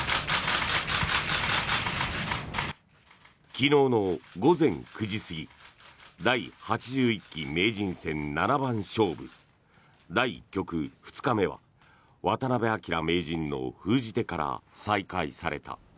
昨日の午前９時過ぎ第８１期名人戦七番勝負第１局２日目は渡辺明名人の封じ手から再開された。